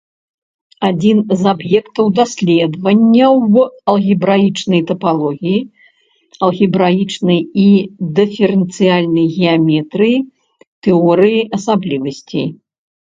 Адзін з аб'ектаў даследавання ў алгебраічнай тапалогіі, алгебраічнай і дыферэнцыяльнай геаметрыі, тэорыі асаблівасцей.